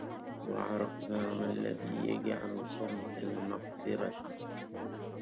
وعرفنا ما الذي يجعل صمت المقبرهْ